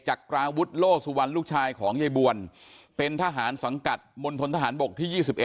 จากกราวุฒิโลสุวรรณลูกชายของยายบวลเป็นทหารสังกัดมณฑนทหารบกที่๒๑